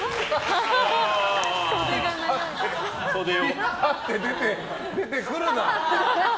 引っ張って出てくるな！